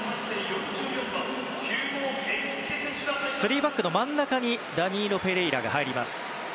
３バックの真ん中にダニーロ・ペレイラが入ります。